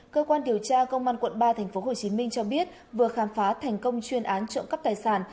cơ quan điều tra công an quận ba tp hcm cho biết vừa khám phá thành công chuyên án trộm cắp tài sản